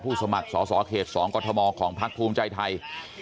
ผู้สมัครสสเขต๒กมของภาคภูมิใจไทย